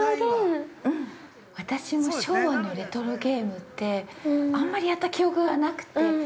◆私も昭和のレトロゲームって、あんまりやった記憶はなくて。